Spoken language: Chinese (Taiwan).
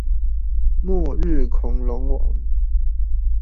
末日恐龍王